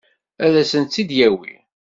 Ad sen-tt-id-yawi?